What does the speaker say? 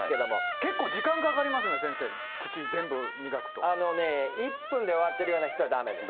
結構時間かかりますね、先生、あのね、１分で終わっているような人はだめです。